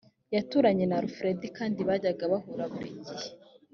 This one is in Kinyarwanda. yaturanye na alfred kandi bajyaga bahura buri gihe